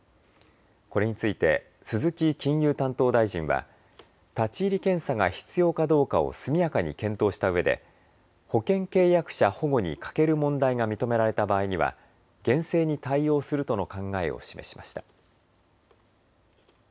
これについて鈴木金融担当大臣は立ち入り検査が必要かどうかを速やかに検討したうえで保険契約者保護に欠ける問題が認められた場合には厳正に対応するとの考えを示しました。